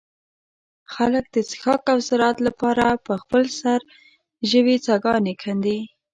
خلک د څښاک او زراعت له پاره په خپل سر ژوې څاګانې کندي.